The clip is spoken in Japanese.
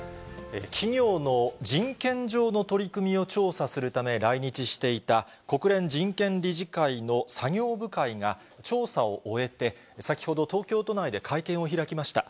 企業の人権上の取り組みを調査するため来日していた、国連人権理事会の作業部会が調査を終えて、先ほど、東京都内で会見を開きました。